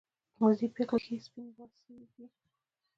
د دې پېغلې ښې سپينې واڅې دي